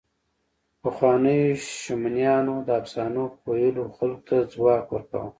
پخوانيو شمنیانو د افسانو په ویلو خلکو ته ځواک ورکاوه.